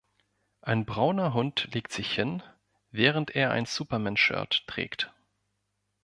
Ein brauner Hund legt sich hin, während er ein Superman-Shirt trägt.